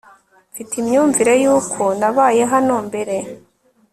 mfite imyumvire yuko nabaye hano mbere